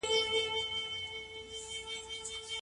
د ځواکونو ګټي به تل سره په ټکر کي نه وي.